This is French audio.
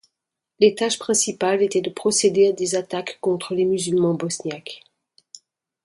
Les tâches principales étaient de procéder à des attaques contre les Musulmans bosniaques.